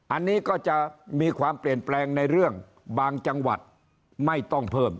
อันนี้ก็จะมีความเปลี่ยนแปลงในเรื่องบางจังหวัดไม่ต้องเพิ่ม